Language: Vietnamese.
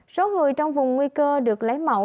số người trong vùng nguy cơ được lấy mẫu